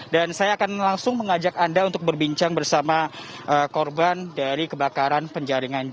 dan saya akan langsung mengajak anda untuk berbincang bersama korban dari kebakaran penjaringan